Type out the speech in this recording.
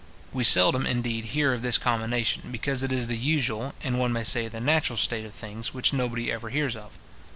We seldom, indeed, hear of this combination, because it is the usual, and, one may say, the natural state of things, which nobody ever hears of.